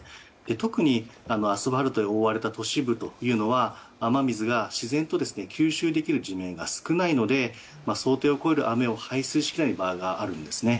特にアスファルトで覆われた都市部というのは雨水が自然と吸収できる地面が少ないので想定を超える雨を排出しきれない場合があるんです。